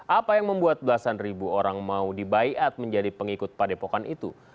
apa yang membuat belasan ribu orang mau dibayat menjadi pengikut padepokan itu